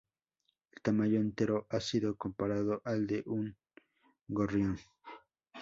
El tamaño entero ha sido comparado al de un gorrión.